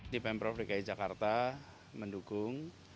di pemprov dki jakarta mendukung